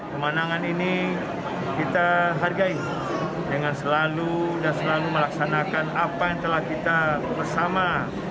pemanangan ini kita hargai dengan selalu dan selalu melaksanakan apa yang telah kita bersama